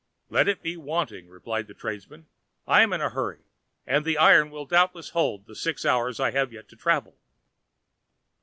"Let it be wanting," replied the tradesman; "I am in a hurry and the iron will doubtless hold the six hours I have yet to travel."